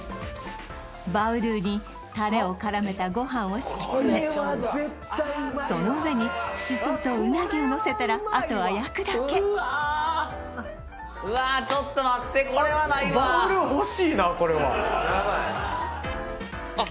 バウルーにタレを絡めたご飯を敷き詰めその上にシソとうなぎをのせたらあとは焼くだけうわちょっと待ってこれはないわこれは・やばいあっ